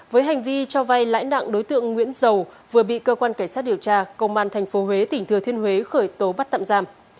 với hành vi cho vay lãi nặng đối tượng nguyễn dầu vừa bị cơ quan cảnh sát điều tra công an tp huế tỉnh thừa thiên huế khởi tố bắt tạm giam